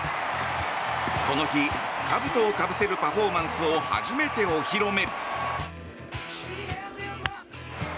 この日、かぶとをかぶせるパフォーマンスを初めてお披露目。